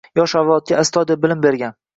Yosh avlodga astoydil bilim bergan